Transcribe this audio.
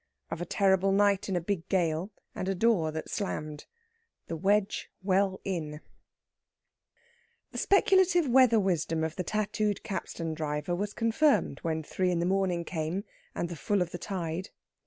OF A TERRIBLE NIGHT IN A BIG GALE, AND A DOOR THAT SLAMMED. THE WEDGE WELL IN The speculative weather wisdom of the tattooed capstan driver was confirmed when three in the morning came, and the full of the tide.